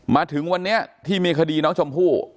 มาถึงวันนี้ที่มีคดีน้องชมพู่